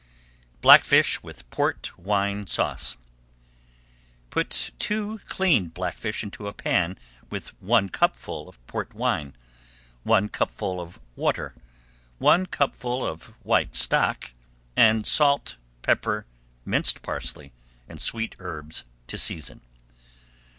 BLACKFISH WITH PORT WINE SAUCE Put two cleaned blackfish into a pan with one cupful of Port wine, one cupful of water, one cupful of white stock, and salt, pepper, minced parsley, and sweet herbs to season.